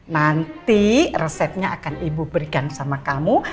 nanti resepnya akan ibu berikan sama kamu